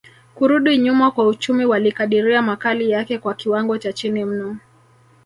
kurudi nyuma kwa uchumi walikadiria makali yake kwa kiwango cha chini mno